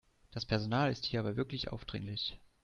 Das Personal ist hier aber wirklich aufdringlich.